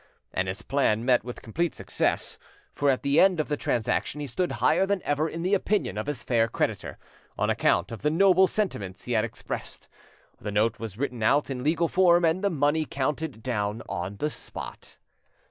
And his plan met with complete success, for at the end of the transaction he stood higher than ever in the opinion of his fair creditor, on account of the noble sentiments he had expressed. The note was written out in legal form and the money counted down on the spot.